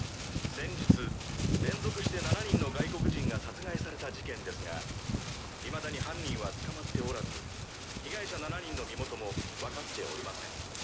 先日連続して７人の外国人が殺害された事件ですが未だに犯人は捕まっておらず被害者７人の身元もわかっておりません。